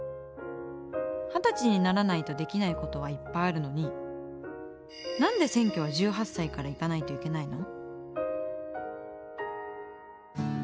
二十歳にならないとできないことはいっぱいあるのに何で選挙は１８歳から行かないといけないの？